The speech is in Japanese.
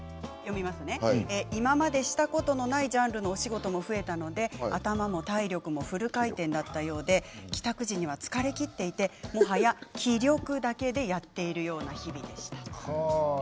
今までしたことないジャンルのお仕事も増えたので頭も体力もフル回転だったようで帰宅時には疲れきっていてもはや気力だけでやっているような日々でした。